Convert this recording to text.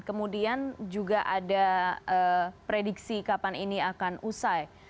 kemudian juga ada prediksi kapan ini akan usai